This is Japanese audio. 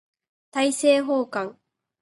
大政奉還